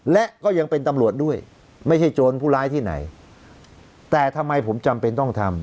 และก็ยังเป็นตำรวจด้วยไม่ใช่โจรผู้ร้ายที่ไหนแต่ทำไมผมจำเป็นต้องทำ